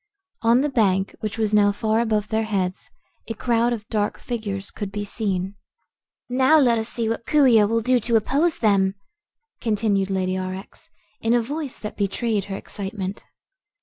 On the bank, which was now far above their heads, a crowd of dark figures could be seen. "Now let us see what Coo ee oh will do to oppose them," continued Lady Aurex, in a voice that betrayed her excitement.